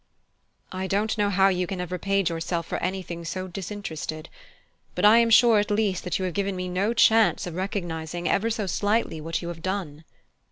"I don't know how you can have repaid yourself for anything so disinterested but I am sure, at least, that you have given me no chance of recognizing, ever so slightly, what you have done."